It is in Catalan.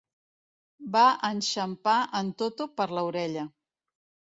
Va enxampar en Toto per la orella.